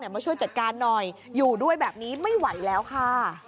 มาช่วยจัดการหน่อยอยู่ด้วยแบบนี้ไม่ไหวแล้วค่ะ